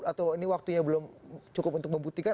atau ini waktunya belum cukup untuk membuktikan